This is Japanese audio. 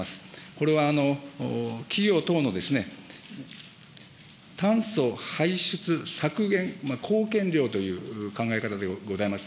これは企業等の炭素排出削減貢献量という考え方でございます。